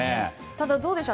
ただ、どうでしょう。